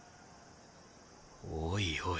おいおい。